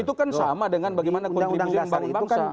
itu kan sama dengan bagaimana kontribusi membangun bangsa